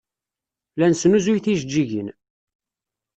La nesnuzuy tijeǧǧigin.